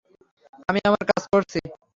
আমি আমার কাজ করছি।